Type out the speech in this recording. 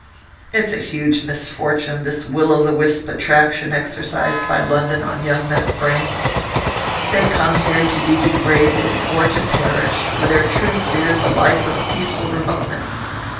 'It's a huge misfortune, this will o' the wisp attraction exercised by London on young men of brains. They come here to be degraded, or to perish, when their true sphere is a life of peaceful remoteness.